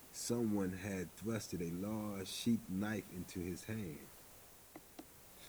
Some one had thrust a large sheath-knife into his hand.